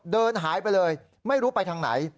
เดินหายไปเลยไม่รู้ไปทางไหน